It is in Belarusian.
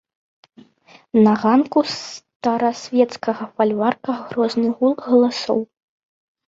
На ганку старасвецкага фальварка грозны гул галасоў.